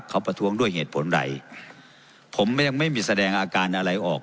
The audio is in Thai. เขาประท้วงด้วยเหตุผลใดผมยังไม่มีแสดงอาการอะไรออก